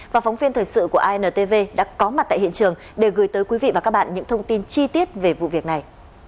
và phóng viên thời sự của intv đã có mặt tại hiện trường để gửi tới quý vị và các bạn những thông tin chi tiết về vụ việc này